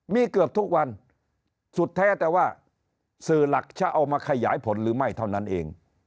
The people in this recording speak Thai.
มีเกือบทุกวันสุดแท้แต่ว่าสื่อหลักจะเอามาขยายผลหรือไม่เท่านั้นเอง